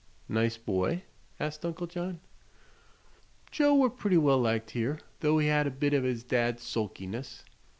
"Nice boy?" asked Uncle John. "Joe were pretty well liked here, though he had a bit o' his dad's sulkiness.